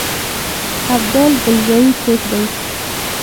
ابدال کلزايي څوک دی.